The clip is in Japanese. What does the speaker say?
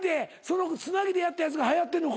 そのつなぎでやったやつがはやってんのか。